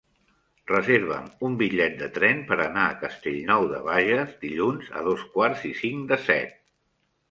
Reserva'm un bitllet de tren per anar a Castellnou de Bages dilluns a dos quarts i cinc de set.